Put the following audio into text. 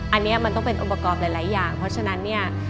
อันนี้มันต้องเป็นองค์ประกอบหลายอย่างเพราะฉะนั้นเนี่ย